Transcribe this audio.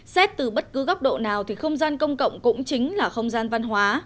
xét từ bất cứ góc độ nào thì không gian công cộng cũng chính là không gian văn hóa